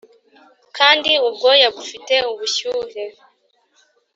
kandi ubwoya bufite ubushyuhe